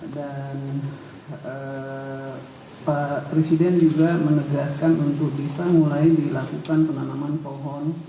dan pak presiden juga menegaskan untuk bisa mulai dilakukan penanaman pohon